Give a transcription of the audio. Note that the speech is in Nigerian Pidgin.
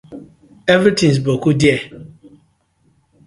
Everytins boku there.